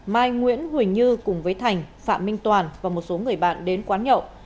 mai nguyễn huỳnh như cùng với thành phạm minh toàn và một số người bạn đến quán nhậu